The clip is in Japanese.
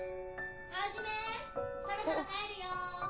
ハジメそろそろ帰るよ。